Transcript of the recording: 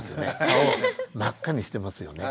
顔を真っ赤にしてますよね。